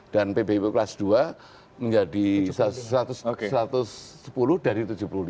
dan pbbu kelas dua menjadi satu ratus sepuluh dari tujuh puluh lima